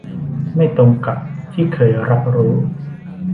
ไม่ตรงกับที่เคยรับรู้